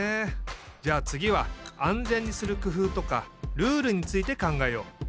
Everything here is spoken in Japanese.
じゃあつぎはあんぜんにするくふうとかルールについて考えよう。